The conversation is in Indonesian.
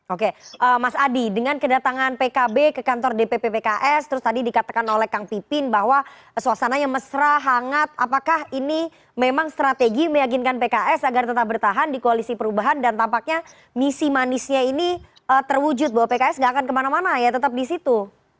oke mas adi dengan kedatangan pkb ke kantor dpp pks terus tadi dikatakan oleh kang pipin bahwa suasananya mesra hangat apakah ini memang strategi meyakinkan pks agar tetap bertahan di koalisi perubahan dan tampaknya misi manisnya ini terwujud bahwa pks gak akan kemana mana ya tetap di situ